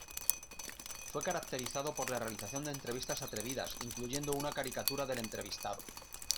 Fue caracterizado por la realización de entrevistas atrevidas incluyendo una caricatura del entrevistado.